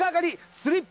スリッパ